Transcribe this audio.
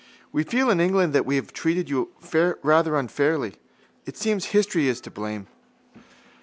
We feel in England that we have treated you rather unfairly. It seems history is to blame.